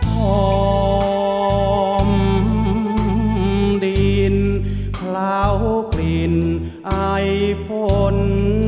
หอมดินคลาวกลิ่นไอฟ้น